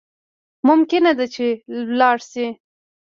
ممکنه ده چی لاړ شی